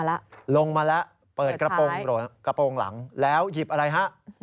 ลงมาแล้วเปิดกระโปรงหลังแล้วหยิบอะไรฮะ